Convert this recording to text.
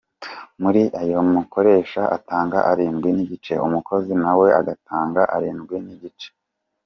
Muri ayo umukoresha atanga arindwi n’igice, umukozi na we agatanga arindwi n’igice.